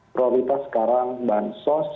prioritas sekarang bahan sos